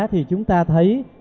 thì chúng ta thấy